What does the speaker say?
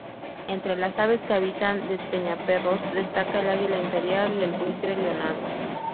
Entre las aves que habitan Despeñaperros destaca el águila imperial y el buitre leonado.